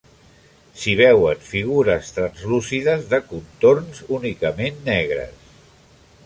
S'hi veuen figures translúcides de contorns únicament negres.